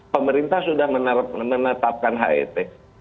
pemerintah sudah menetapkan het